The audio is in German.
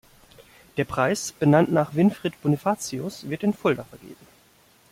Der Preis, benannt nach Winfried-Bonifatius wird in Fulda vergeben.